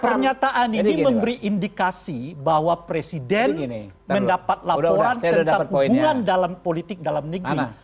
pernyataan ini memberi indikasi bahwa presiden mendapat laporan tentang hubungan dalam politik dalam negeri